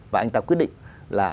và anh ta quyết định là